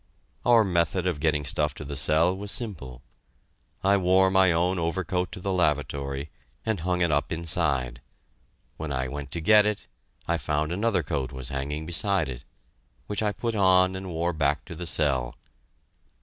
Our method of getting stuff to the cell was simple. I wore my own overcoat to the lavatory, and hung it up inside. When I went to get it, I found another coat was hanging beside it, which I put on and wore back to the cell.